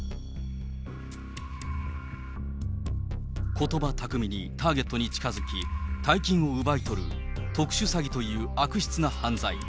ことば巧みにターゲットに近づき、大金を奪い取る特殊詐欺という悪質な犯罪。